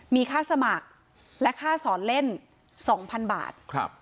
มีค่าสมัครและค่าสอนเล่น๒๐๐๐บาท